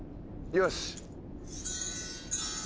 よし。